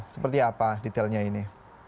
seperti apa detailnya ini